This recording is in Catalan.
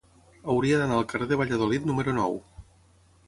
Hauria d'anar al carrer de Valladolid número nou.